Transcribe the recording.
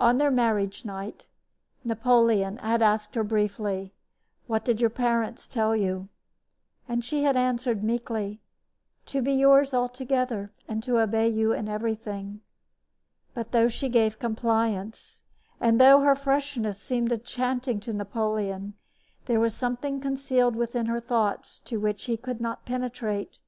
On their marriage night Napoleon had asked her briefly: "What did your parents tell you?" And she had answered, meekly: "To be yours altogether and to obey you in everything." But, though she gave compliance, and though her freshness seemed enchanting to Napoleon, there was something concealed within her thoughts to which he could not penetrate.